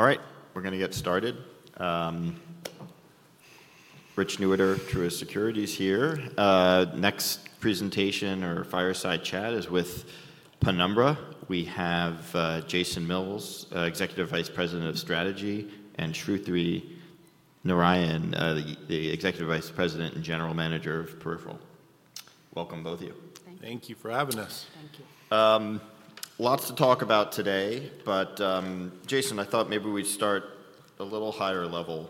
All right, we're gonna get started. Rich Newitter, Truist Securities here. Next presentation or fireside chat is with Penumbra. We have Jason Mills, Executive Vice President of Strategy, and Shruthi Narayan, the Executive Vice President and General Manager of Peripheral. Welcome, both of you. Thank you. Thank you for having us. Thank you. Lots to talk about today, but, Jason, I thought maybe we'd start a little higher level.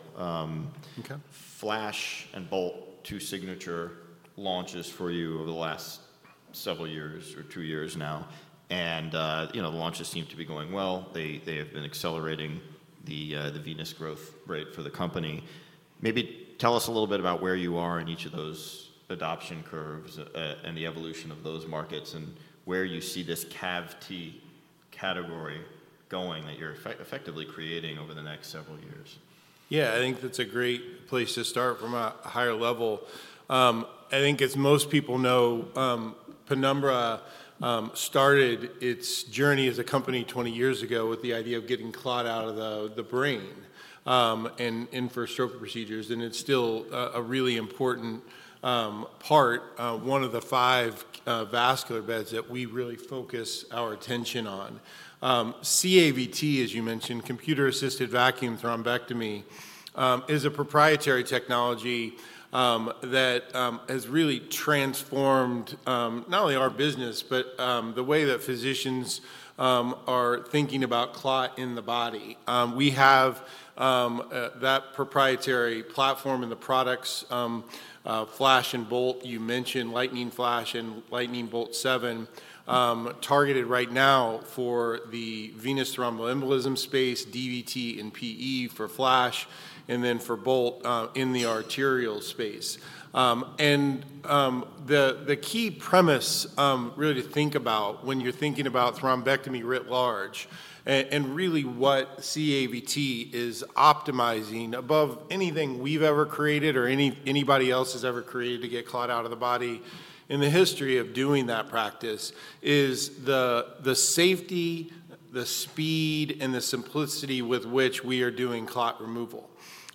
Okay. Flash and Bolt, two signature launches for you over the last several years or two years now, and, you know, the launches seem to be going well. They, they have been accelerating the venous growth rate for the company. Maybe tell us a little bit about where you are in each of those adoption curves, and the evolution of those markets, and where you see this CAVT category going, that you're effectively creating over the next several years. Yeah, I think that's a great place to start from a higher level. I think as most people know, Penumbra started its journey as a company 20 years ago with the idea of getting clot out of the brain and in for stroke procedures, and it's still a really important part, one of the five vascular beds that we really focus our attention on. CAVT, as you mentioned, Computer-Assisted Vacuum Thrombectomy, is a proprietary technology that has really transformed not only our business, but the way that physicians are thinking about clot in the body. We have that proprietary platform and the products, Flash and Bolt, you mentioned Lightning Flash and Lightning Bolt 7, targeted right now for the venous thromboembolism space, DVT and PE for Flash, and then for Bolt, in the arterial space. The key premise really to think about when you're thinking about thrombectomy writ large, and really what CAVT is optimizing above anything we've ever created or anybody else has ever created to get clot out of the body in the history of doing that practice, is the safety, the speed, and the simplicity with which we are doing clot removal.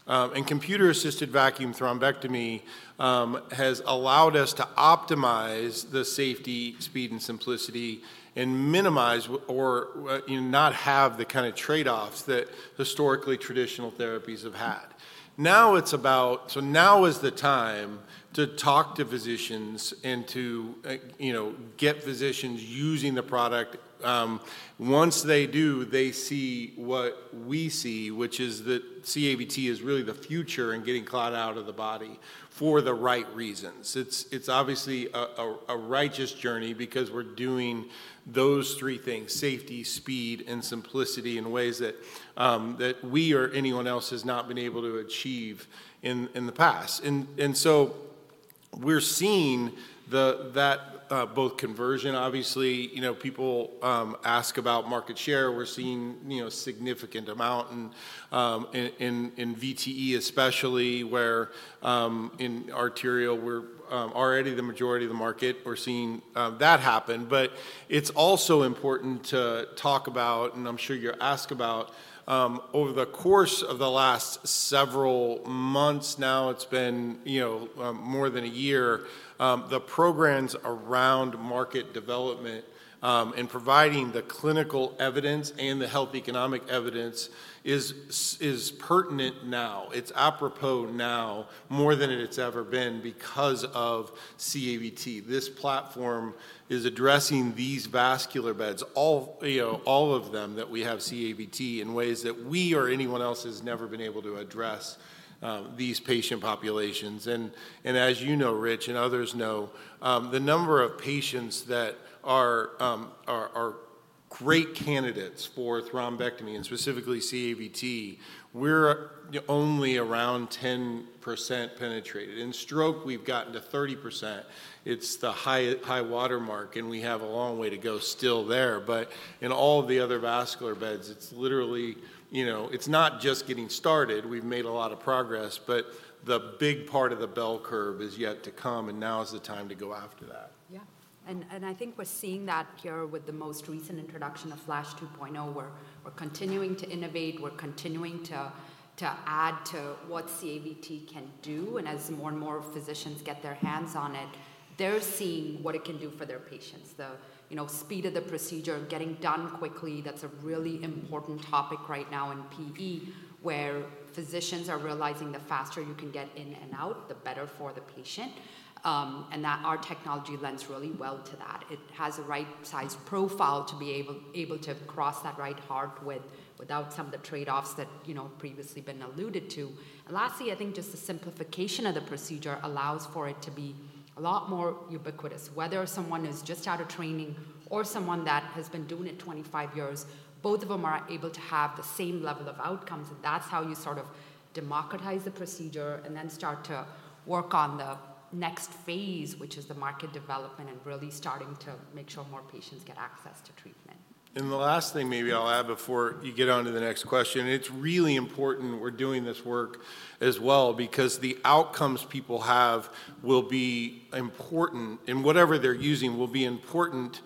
And Computer-Assisted Vacuum Thrombectomy has allowed us to optimize the safety, speed, and simplicity and minimize or, you know, not have the kind of trade-offs that historically traditional therapies have had. Now, it's about. So now is the time to talk to physicians and to, you know, get physicians using the product. Once they do, they see what we see, which is that CAVT is really the future in getting clot out of the body for the right reasons. It's obviously a righteous journey because we're doing those three things: safety, speed, and simplicity in ways that we or anyone else has not been able to achieve in the past. And so we're seeing that both conversion, obviously, you know, people ask about market share. We're seeing, you know, significant amount in VTE especially, where in arterial, we're already the majority of the market, we're seeing that happen. But it's also important to talk about, and I'm sure you're asked about, over the course of the last several months now, it's been, you know, more than a year, the programs around market development, and providing the clinical evidence and the health economic evidence is pertinent now. It's apropos now more than it's ever been because of CAVT. This platform is addressing these vascular beds, all, you know, all of them that we have CAVT, in ways that we or anyone else has never been able to address, these patient populations. And as you know, Rich, and others know, the number of patients that are, are great candidates for thrombectomy, and specifically CAVT, we're only around 10% penetrated. In stroke, we've gotten to 30%. It's the high, high water mark, and we have a long way to go still there. But in all of the other vascular beds, it's literally, you know... It's not just getting started, we've made a lot of progress, but the big part of the bell curve is yet to come, and now is the time to go after that. Yeah. And I think we're seeing that here with the most recent introduction of Flash 2.0, where we're continuing to innovate, we're continuing to add to what CAVT can do. And as more and more physicians get their hands on it, they're seeing what it can do for their patients. You know, the speed of the procedure, getting done quickly, that's a really important topic right now in PE, where physicians are realizing the faster you can get in and out, the better for the patient, and that our technology lends really well to that. It has a right size profile to be able to cross that right heart without some of the trade-offs that, you know, have previously been alluded to. And lastly, I think just the simplification of the procedure allows for it to be a lot more ubiquitous. Whether someone is just out of training or someone that has been doing it 25 years, both of them are able to have the same level of outcomes, and that's how you sort of democratize the procedure and then start to work on the next phase, which is the market development, and really starting to make sure more patients get access to treatment. And the last thing maybe I'll add before you get on to the next question, it's really important we're doing this work as well, because the outcomes people have will be important, and whatever they're using will be important,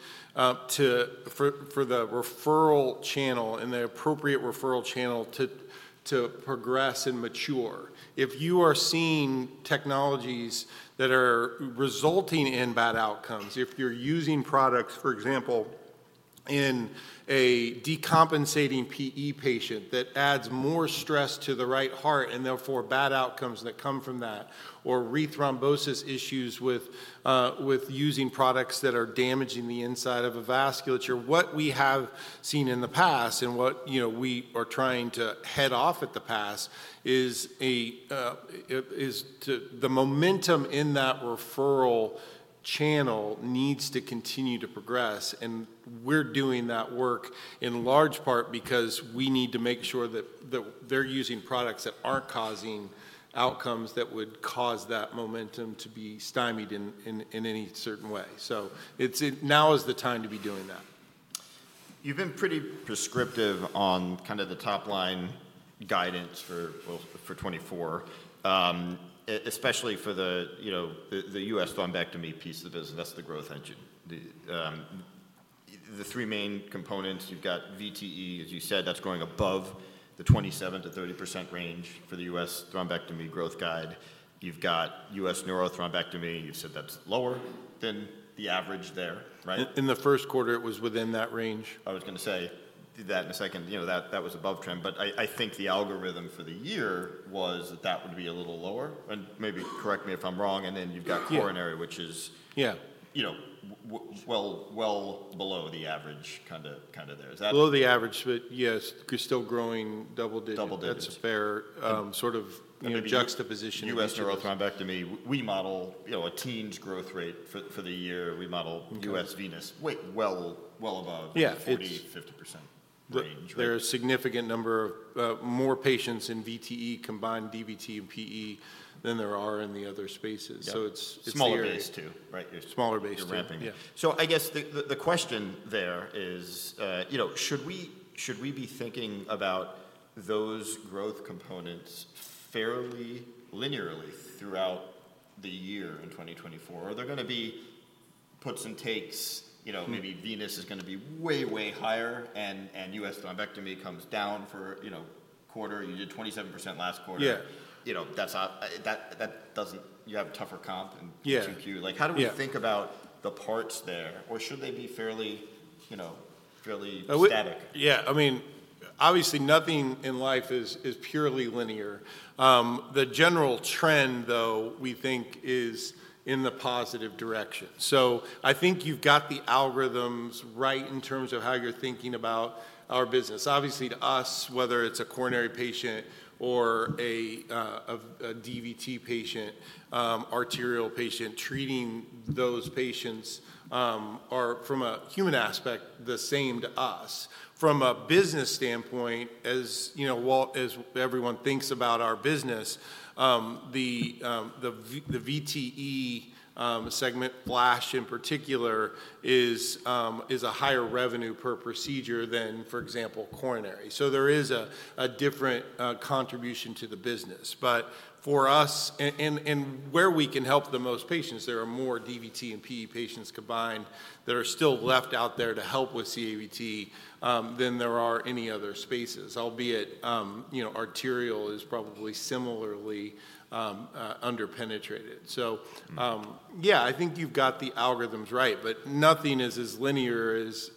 to, for, for the referral channel and the appropriate referral channel to, to progress and mature. If you are seeing technologies that are resulting in bad outcomes, if you're using products, for example, in a decompensating PE patient that adds more stress to the right heart, and therefore bad outcomes that come from that, or rethrombosis issues with, with using products that are damaging the inside of a vasculature. What we have seen in the past and what, you know, we are trying to head off at the pass, is the momentum in that referral channel needs to continue to progress, and we're doing that work in large part because we need to make sure that they're using products that aren't causing outcomes that would cause that momentum to be stymied in any certain way. So now is the time to be doing that. You've been pretty prescriptive on kind of the top-line guidance for, well, for 2024, especially for the, you know, the U.S. thrombectomy piece of the business. That's the growth engine. The three main components, you've got VTE, as you said, that's growing above the 27%-30% range for the U.S. thrombectomy growth guide. You've got U.S. neurothrombectomy, you've said that's lower than the average there, right? In the first quarter, it was within that range. I was gonna say that in a second, you know, that, that was above trend, but I, I think the algorithm for the year was that that would be a little lower, and maybe correct me if I'm wrong, and then you've got- Yeah... coronary, which is- Yeah you know, well, well below the average, kind of, kind of there. Is that- Below the average, but yes, still growing double digits. Double digits. That's a fair sort of- Maybe- - juxtaposition. U.S. Neurothrombectomy, we model, you know, a teens growth rate for, for the year. We model- Yeah U.S. venous way well, well above- Yeah, it's- 40%-50% range. There are a significant number of more patients in VTE combined, DVT and PE, than there are in the other spaces. Yeah. So it's, Smaller base, too, right? Smaller base, too. You're ramping. Yeah. So I guess the question there is, you know, should we, should we be thinking about those growth components fairly linearly throughout the year in 2024? Or are there gonna be puts and takes, you know- Mm... maybe venous is gonna be way, way higher, and, and US thrombectomy comes down for, you know, quarter. You did 27% last quarter. Yeah. You know, that's not... You have a tougher comp in- Yeah - Q2Q. Yeah. Like, how do we think about the parts there? Or should they be fairly, you know, fairly- W- -static? Yeah. I mean, obviously nothing in life is purely linear. The general trend, though, we think is in the positive direction. So I think you've got the algorithms right in terms of how you're thinking about our business. Obviously, to us, whether it's a coronary patient or a DVT patient, arterial patient, treating those patients are, from a human aspect, the same to us. From a business standpoint, as you know, well, as everyone thinks about our business, the VTE segment, Flash in particular, is a higher revenue per procedure than, for example, coronary. So there is a different contribution to the business. But for us, where we can help the most patients, there are more DVT and PE patients combined that are still left out there to help with CAVT than there are any other spaces. Albeit, you know, arterial is probably similarly under-penetrated. So- Mm-hmm... yeah, I think you've got the algorithms right, but nothing is as linear as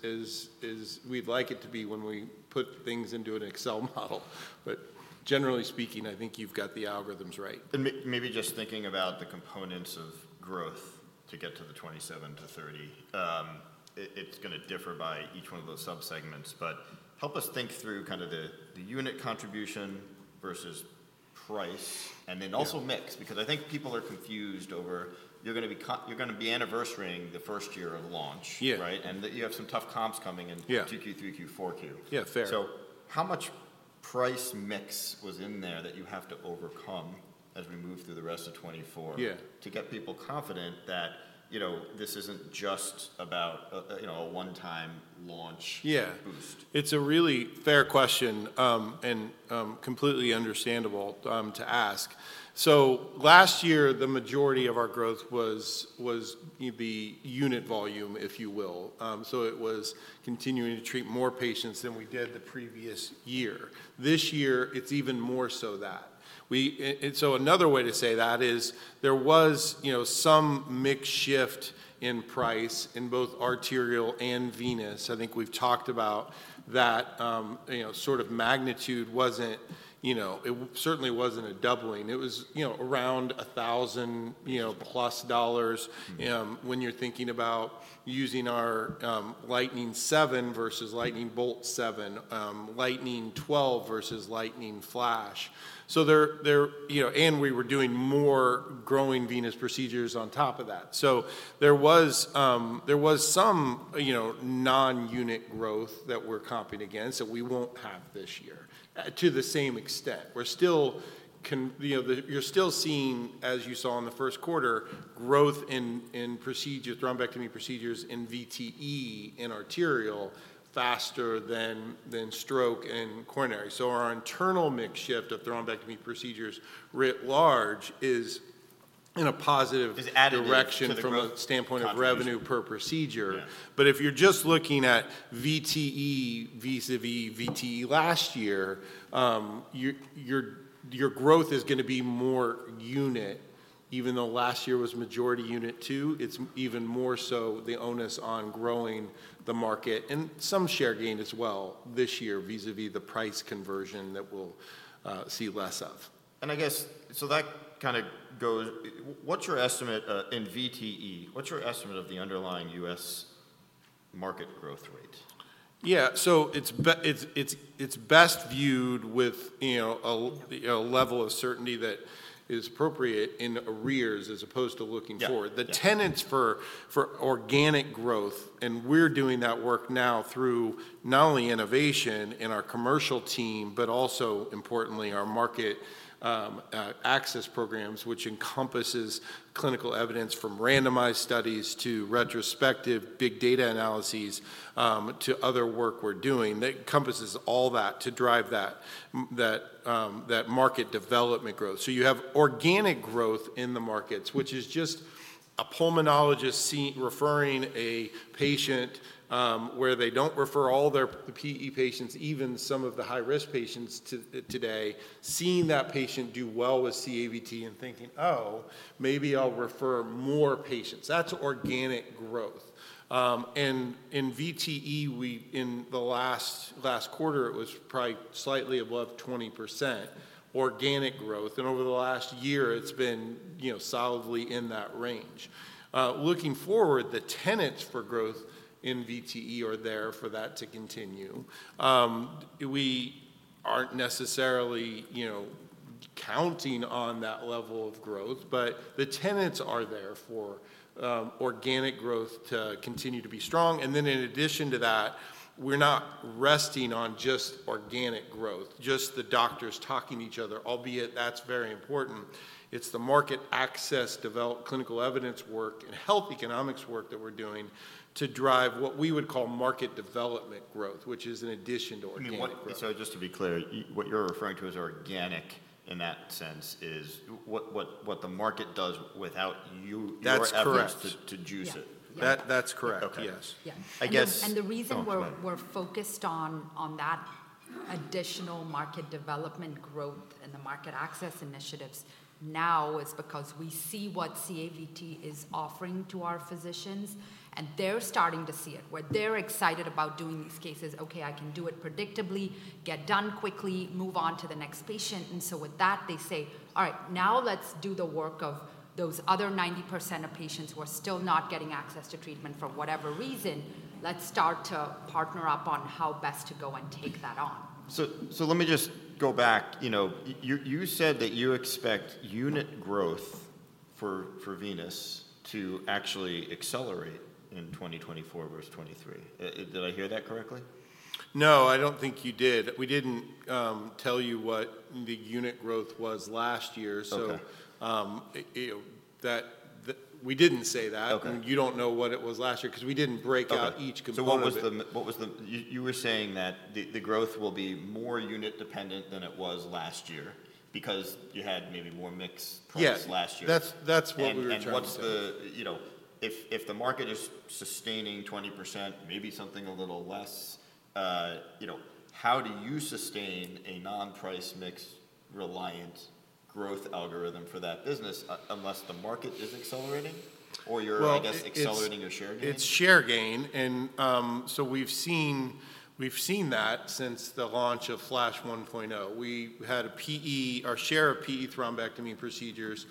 we'd like it to be when we put things into an Excel model. But generally speaking, I think you've got the algorithms right. And maybe just thinking about the components of growth to get to the 27-30, it's gonna differ by each one of those subsegments. But help us think through kind of the unit contribution versus price- Yeah... and then also mix, because I think people are confused over you're gonna be anniversarying the first year of launch. Yeah. Right? And that you have some tough comps coming in- Yeah... Q2, Q3, Q4. Yeah, fair. How much price mix was in there that you have to overcome as we move through the rest of 2024? Yeah... to get people confident that, you know, this isn't just about a, you know, a one-time launch- Yeah - boost? It's a really fair question, and completely understandable to ask. So last year, the majority of our growth was the unit volume, if you will. So it was continuing to treat more patients than we did the previous year. This year, it's even more so that. And so another way to say that is there was, you know, some mix shift in price in both arterial and venous. I think we've talked about that, you know, sort of magnitude wasn't, you know, it certainly wasn't a doubling. It was, you know, around $1,000, you know, plus dollars- Mm... when you're thinking about using our Lightning 7 versus Lightning Bolt 7, Lightning 12 versus Lightning Flash. So there, you know. And we were doing more growing venous procedures on top of that. So there was some, you know, non-unit growth that we're comping against that we won't have this year to the same extent. We're still, you know, you're still seeing, as you saw in the first quarter, growth in procedure thrombectomy procedures in VTE, in arterial, faster than stroke and coronary. So our internal mix shift of thrombectomy procedures, writ large, is in a positive- Is additive to the growth. direction from a standpoint of revenue per procedure. Yeah. But if you're just looking at VTE vis-à-vis VTE last year, your growth is gonna be more unit even though last year was majority unit two. It's even more so the onus on growing the market and some share gain as well this year, vis-à-vis the price conversion that we'll see less of. And I guess, so that kind of goes. What's your estimate in VTE? What's your estimate of the underlying U.S. market growth rate? Yeah. So it's best viewed with, you know, a level of certainty that is appropriate in arrears, as opposed to looking forward. Yeah. Yeah. The tenets for organic growth, and we're doing that work now through not only innovation in our commercial team, but also, importantly, our market access programs, which encompasses clinical evidence from randomized studies to retrospective big data analyses, to other work we're doing. That encompasses all that to drive that market development growth. So you have organic growth in the markets, which is just a pulmonologist seeing, referring a patient, where they don't refer all their PE patients, even some of the high-risk patients today, seeing that patient do well with CAVT and thinking, "Oh, maybe I'll refer more patients." That's organic growth. And in VTE, we, in the last quarter, it was probably slightly above 20% organic growth, and over the last year, it's been, you know, solidly in that range. Looking forward, the tenets for growth in VTE are there for that to continue. We aren't necessarily, you know, counting on that level of growth, but the tenets are there for organic growth to continue to be strong. And then in addition to that, we're not resting on just organic growth, just the doctors talking to each other, albeit that's very important. It's the market access, develop clinical evidence work, and health economics work that we're doing to drive what we would call market development growth, which is in addition to organic growth. So just to be clear, what you're referring to as organic in that sense is what the market does without you, your- That's correct... efforts to, to juice it? Yeah. Yeah. That, that's correct. Okay. Yes. Yeah. I guess- And the reason- No, go ahead.... we're focused on that additional market development growth and the market access initiatives now is because we see what CAVT is offering to our physicians, and they're starting to see it, where they're excited about doing these cases. "Okay, I can do it predictably, get done quickly, move on to the next patient." And so with that, they say, "All right, now let's do the work of those other 90% of patients who are still not getting access to treatment for whatever reason. Let's start to partner up on how best to go and take that on. So let me just go back. You know, you said that you expect unit growth for venous to actually accelerate in 2024 versus 2023. Did I hear that correctly? No, I don't think you did. We didn't tell you what the unit growth was last year. Okay. So, you know, that, the... We didn't say that. Okay. You don't know what it was last year, 'cause we didn't break out- Okay... each component. So what was the... You were saying that the growth will be more unit dependent than it was last year because you had maybe more mix- Yeah products last year. That's, that's what we were trying to say. What's the... You know, if the market is sustaining 20%, maybe something a little less, you know, how do you sustain a non-price, mix-reliant growth algorithm for that business unless the market is accelerating, or you're- Well, it's- I guess, accelerating your share gain? It's share gain. And, so we've seen, we've seen that since the launch of Flash 1.0. We had a PE, our share of PE thrombectomy procedures,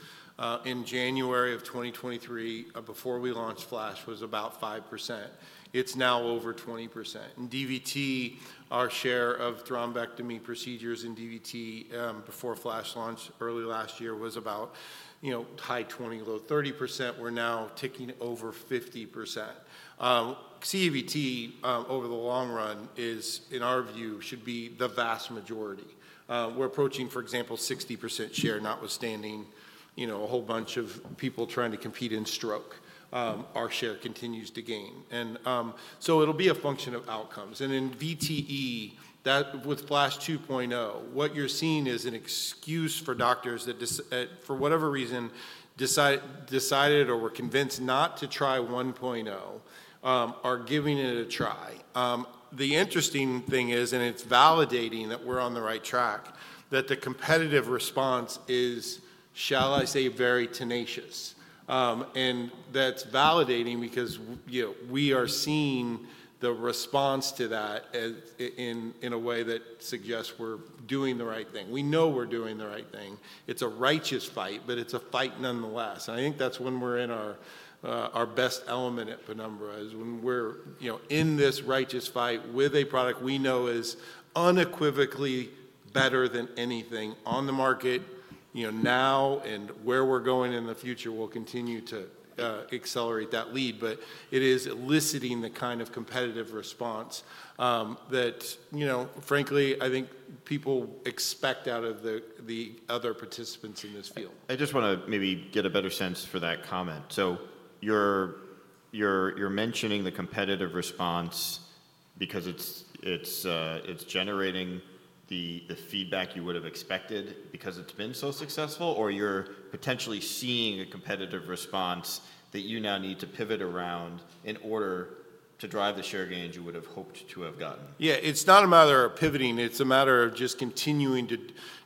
in January of 2023, before we launched Flash, was about 5%. It's now over 20%. In DVT, our share of thrombectomy procedures in DVT, before Flash launch early last year, was about, you know, high 20, low 30%. We're now ticking over 50%. CAVT, over the long run is, in our view, should be the vast majority. We're approaching, for example, 60% share, notwithstanding, you know, a whole bunch of people trying to compete in stroke. Our share continues to gain. And, so it'll be a function of outcomes. In VTE, that with Flash 2.0, what you're seeing is an excuse for doctors that, for whatever reason, decided or were convinced not to try 1.0, are giving it a try. The interesting thing is, and it's validating that we're on the right track, that the competitive response is, shall I say, very tenacious. And that's validating because, you know, we are seeing the response to that in a way that suggests we're doing the right thing. We know we're doing the right thing. It's a righteous fight, but it's a fight nonetheless, and I think that's when we're in our, our best element at Penumbra, is when we're, you know, in this righteous fight with a product we know is unequivocally better than anything on the market, you know, now and where we're going in the future, we'll continue to, accelerate that lead. But it is eliciting the kind of competitive response, that, you know, frankly, I think people expect out of the other participants in this field. I just want to maybe get a better sense for that comment. So you're mentioning the competitive response because it's generating the feedback you would have expected because it's been so successful, or you're potentially seeing a competitive response that you now need to pivot around in order to drive the share gains you would have hoped to have gotten? Yeah, it's not a matter of pivoting, it's a matter of just continuing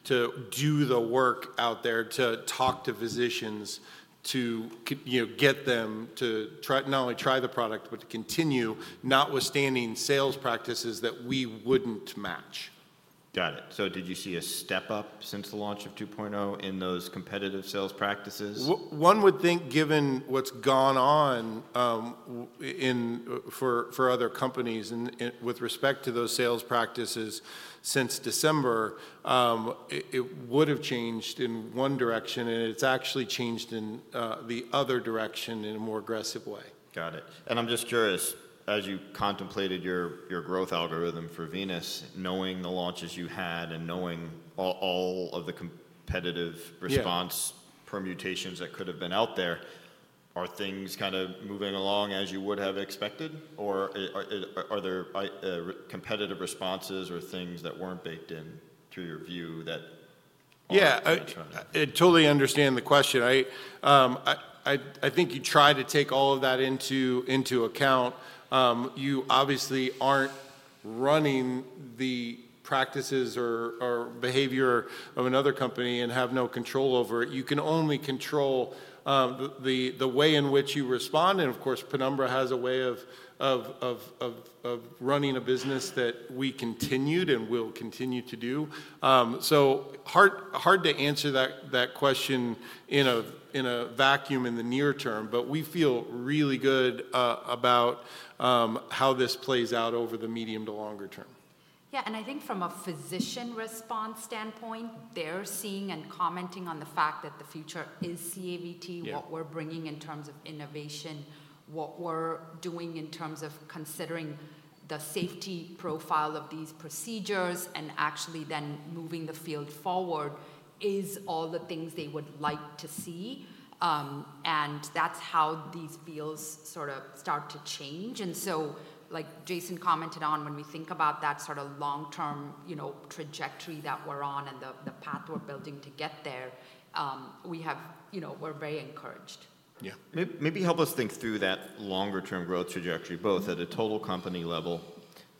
to do the work out there, to talk to physicians, you know, get them to try, not only try the product, but to continue, notwithstanding sales practices that we wouldn't match. Got it. So did you see a step-up since the launch of 2.0 in those competitive sales practices? One would think, given what's gone on for other companies and with respect to those sales practices since December, it would have changed in one direction, and it's actually changed in the other direction in a more aggressive way. Got it. I'm just curious, as you contemplated your growth algorithm for venous, knowing the launches you had and knowing all of the competitive- Yeah... response permutations that could have been out there, are things kind of moving along as you would have expected? Or, are there competitive responses or things that weren't baked in to your view that- Yeah... are you trying to- I totally understand the question. I think you try to take all of that into account. You obviously aren't running the practices or behavior of another company and have no control over it. You can only control the way in which you respond, and of course, Penumbra has a way of running a business that we continued and will continue to do. So hard to answer that question in a vacuum in the near term, but we feel really good about how this plays out over the medium to longer term. Yeah, and I think from a physician response standpoint, they're seeing and commenting on the fact that the future is CAVT- Yeah... what we're bringing in terms of innovation, what we're doing in terms of considering the safety profile of these procedures, and actually then moving the field forward, is all the things they would like to see. And that's how these fields sort of start to change. And so, like Jason commented on, when we think about that sort of long-term, you know, trajectory that we're on and the path we're building to get there, we have—you know, we're very encouraged. Yeah. Maybe help us think through that longer-term growth trajectory, both at a total company level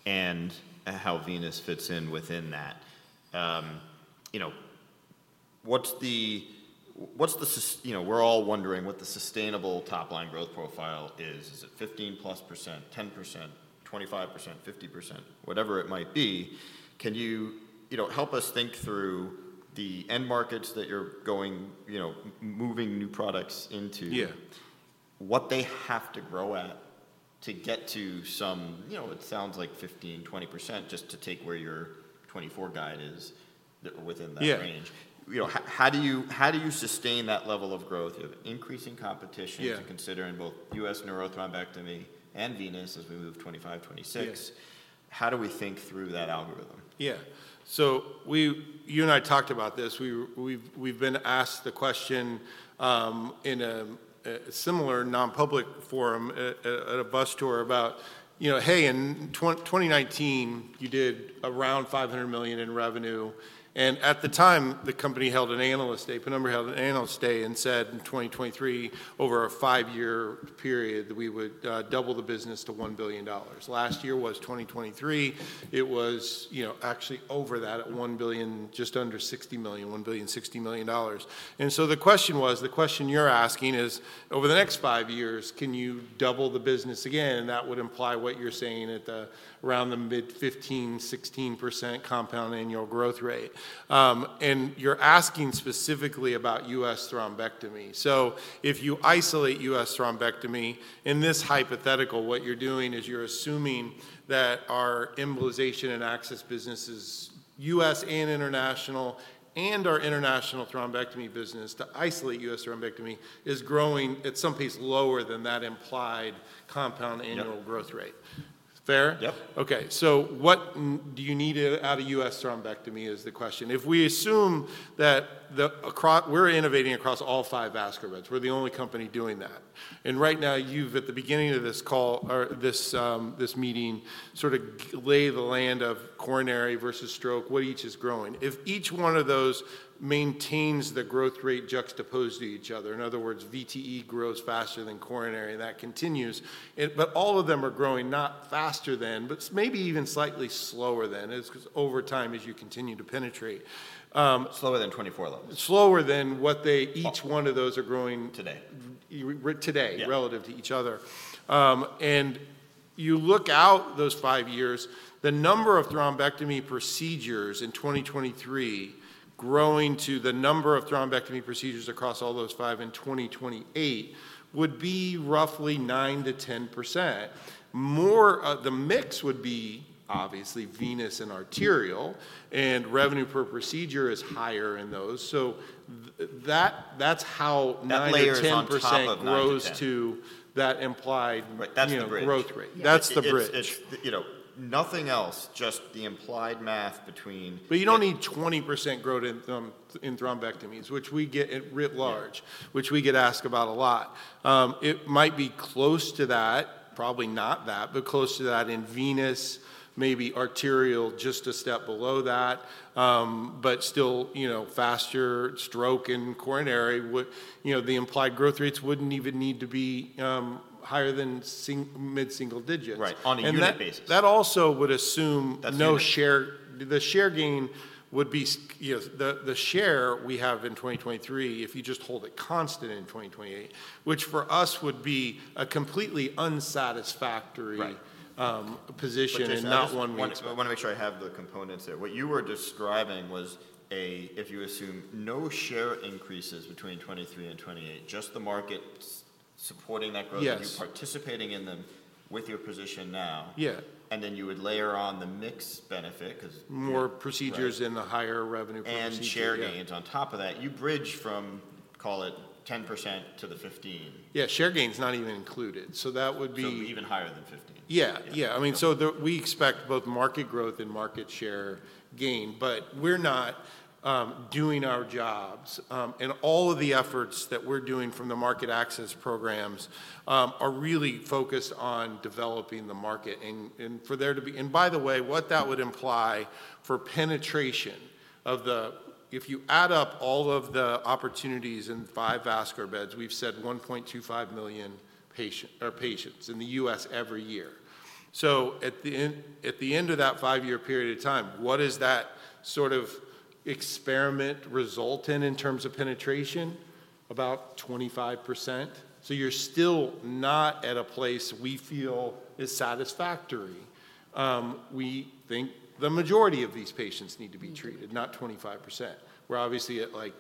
and how venous fits in within that. You know, what's the sustainable top-line growth profile? Is it 15%+, 10%, 25%, 50%? Whatever it might be, can you, you know, help us think through the end markets that you're going, you know, moving new products into- Yeah... what they have to grow at to get to some, you know, it sounds like 15%-20%, just to take where your 2024 guide is, within that- Yeah... range. You know, how do you, how do you sustain that level of growth? You have increasing competition- Yeah... to consider in both U.S. neurothrombectomy and venous as we move 2025, 2026. Yeah. How do we think through that algorithm? Yeah. So you and I talked about this. We've been asked the question in a similar non-public forum at a bus tour about, you know, "Hey, in 2019, you did around $500 million in revenue." And at the time, the company held an analyst day, Penumbra held an analyst day and said in 2023, over a five-year period, that we would double the business to $1 billion. Last year was 2023. It was, you know, actually over that, at $1 billion, just under $60 million, $1.06 billion. And so the question was, the question you're asking is: Over the next five years, can you double the business again? And that would imply what you're saying at around the mid-15, 16% compound annual growth rate. And you're asking specifically about U.S. thrombectomy. So if you isolate U.S. thrombectomy, in this hypothetical, what you're doing is you're assuming that our embolization and access businesses, U.S. and international, and our international thrombectomy business, to isolate U.S. thrombectomy, is growing at some pace lower than that implied compound- Yeah... annual growth rate. Fair? Yep. Okay, so what do you need out of U.S. thrombectomy is the question. If we assume that we're innovating across all five vascular beds, we're the only company doing that. And right now, you've at the beginning of this call, or this, this meeting, sort of lay the land of coronary versus stroke, what each is growing. If each one of those maintains the growth rate juxtaposed to each other, in other words, VTE grows faster than coronary, and that continues, but all of them are growing not faster than, but maybe even slightly slower than, as because over time, as you continue to penetrate. Slower than 24 levels. Slower than what they, each one of those are growing- Today. You-- today- Yeah... relative to each other. And you look out those five years, the number of thrombectomy procedures in 2023 growing to the number of thrombectomy procedures across all those five in 2028 would be roughly 9%-10%. More, the mix would be obviously venous and arterial, and revenue per procedure is higher in those, so that, that's how 9% or 10%- That layer on top of 9-10 grows to that implied- Right, that's the bridge. You know, growth rate. That's the bridge. It's, you know, nothing else, just the implied math between- But you don't need 20% growth in thrombectomies, which we get writ large- Yeah... which we get asked about a lot. It might be close to that, probably not that, but close to that in venous, maybe arterial, just a step below that. But still, you know, faster stroke and coronary would, you know, the implied growth rates wouldn't even need to be higher than mid-single digits. Right, on a unit basis. And that also would assume- That's the unit.... no share. The share gain would be—you know, the share we have in 2023, if you just hold it constant in 2028, which for us would be a completely unsatisfactory- Right... position, and not one we- But just, I just want, I wanna make sure I have the components there. What you were describing was a, if you assume no share increases between 2023 and 2028, just the market supporting that growth- Yes... you participating in them with your position now. Yeah. Then you would layer on the mix benefit, 'cause- More procedures- Right... in the higher revenue per procedure. Share gains on top of that. You bridge from, call it 10% to the 15. Yeah, share gain's not even included. So that would be- Even higher than 15. Yeah, yeah. Yeah. I mean, so we expect both market growth and market share gain, but we're not doing our jobs, and all of the efforts that we're doing from the market access programs are really focused on developing the market and for there to be. And by the way, what that would imply for penetration of the. If you add up all of the opportunities in five vascular beds, we've said 1.25 million patients in the U.S. every year. So at the end of that 5-year period of time, what does that sort of experiment result in, in terms of penetration? About 25%. So you're still not at a place we feel is satisfactory. We think the majority of these patients need to be treated- Mm-hmm. - not 25%. We're obviously at, like,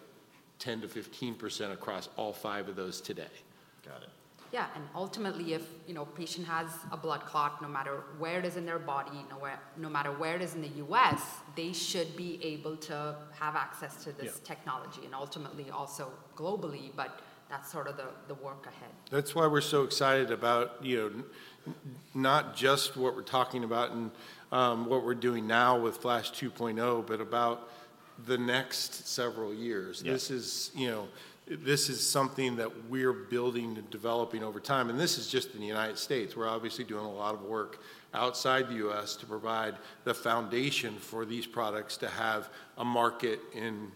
10%-15% across all five of those today. Got it. Yeah, and ultimately, if, you know, a patient has a blood clot, no matter where it is in their body, no matter where it is in the U.S., they should be able to have access to this- Yeah... technology, and ultimately also globally, but that's sort of the work ahead. That's why we're so excited about, you know, not just what we're talking about and, what we're doing now with Flash 2.0, but about the next several years. Yeah. This is, you know, this is something that we're building and developing over time, and this is just in the United States. We're obviously doing a lot of work outside the U.S. to provide the foundation for these products to have a market in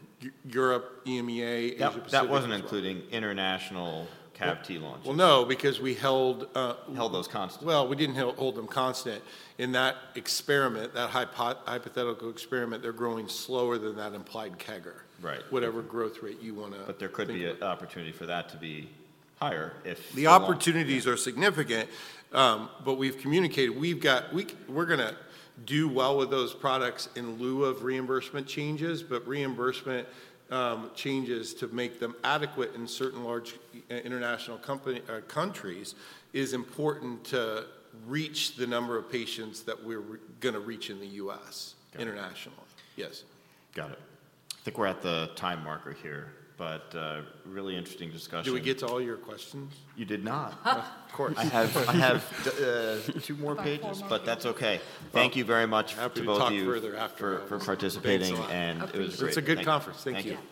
Europe, EMEA, Asia Pacific- Yep, that wasn't including international CAVT launches. Well, no, because we held. Held those constant. Well, we didn't hold them constant. In that experiment, that hypothetical experiment, they're growing slower than that implied CAGR. Right. Whatever growth rate you wanna- But there could be an opportunity for that to be higher if- The opportunities- Yeah... are significant, but we've communicated. We've got. We're gonna do well with those products in lieu of reimbursement changes, but reimbursement changes to make them adequate in certain large international countries is important to reach the number of patients that we're gonna reach in the US- Got it... internationally. Yes. Got it. I think we're at the time marker here, but, really interesting discussion. Did we get to all your questions? You did not. Of course. I have. Two more pages. About four more. But that's okay. But- Thank you very much to both of you. We have to talk further afterwards.... for participating- Thanks a lot.... and it was great. Happy to. It's a good conference. Thank you.